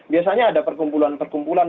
biasanya ada perkumpulan perkumpulan